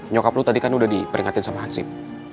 nyokap lo tadi kan udah diperingatin sama hansip